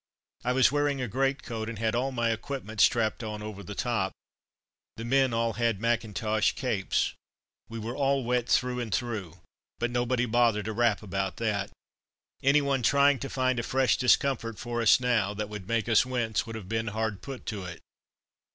I was wearing a greatcoat, and had all my equipment strapped on over the top. The men all had macintosh capes. We were all wet through and through, but nobody bothered a rap about that. Anyone trying to find a fresh discomfort for us now, that would make us wince, would have been hard put to it.